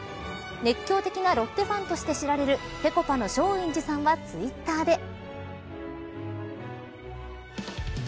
熱狂的なロッテファンとして知られるぺこぱの松陰寺さんはツイッターで。